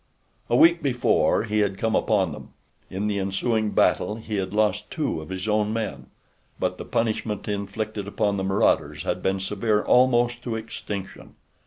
A week before, he had come upon them. In the ensuing battle he had lost two of his own men, but the punishment inflicted upon the marauders had been severe almost to extinction.